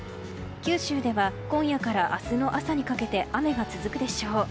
九州では今夜から明日の朝にかけて雨が続くでしょう。